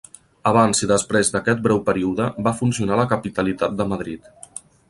Abans i després d'aquest breu període va funcionar la capitalitat de Madrid.